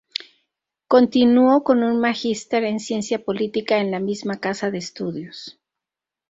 Continuó con un magíster en ciencia política en la misma casa de estudios.